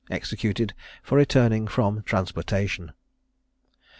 EXECUTED FOR RETURNING FROM TRANSPORTATION.